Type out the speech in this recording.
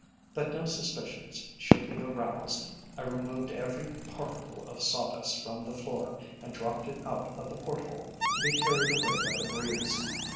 That no suspicions should be aroused, I removed every particle of sawdust from the floor, and dropped it out of the port hole, to be carried away by the breeze.